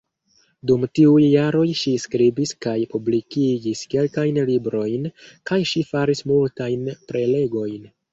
Dum tiuj jaroj ŝi skribis kaj publikigis kelkajn librojn, kaj ŝi faris multajn prelegojn.